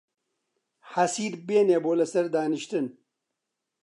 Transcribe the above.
حەسیر بێنێ بۆ لە سەر دانیشتن